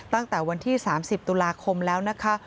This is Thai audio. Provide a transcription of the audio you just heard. ตั้งแต่วันที่๓๐ตุลาคมแล้วนะคะ